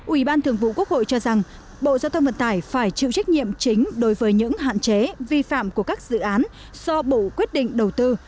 ủy ban thường vụ quốc hội cho rằng bộ giao thông vận tải phải chịu trách nhiệm chính đối với những hạn chế vi phạm của các dự án do bộ quyết định đầu tư